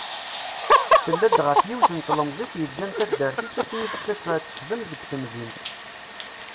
Tella-d ɣef yiwen n tlemzit yeǧǧan taddart-is akken ad d-tas ad texdem deg temdint.